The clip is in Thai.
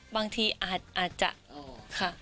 บางทีอาจจะค่ะ